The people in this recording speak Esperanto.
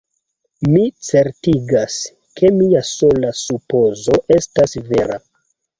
Mi certigas, ke mia sola supozo estas vera.